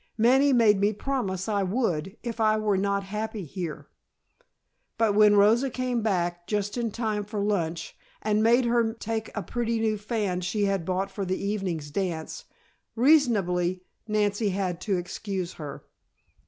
Manny made me promise I would, if I were not happy here." But, when Rosa came back just in time for lunch, and made her take a pretty new fan she had bought for the evening's dance, reasonably, Nancy had to excuse her.